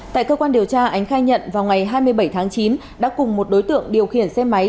tại cơ quan điều tra ánh khai nhận vào ngày hai mươi bảy tháng chín đã cùng một đối tượng điều khiển xe máy